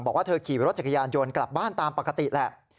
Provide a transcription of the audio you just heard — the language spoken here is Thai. บอกว่าเธอขี่รถจักรยานยนต์กลับบ้านตามปกติแหละ